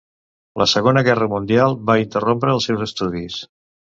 La Segona Guerra Mundial va interrompre els seus estudis.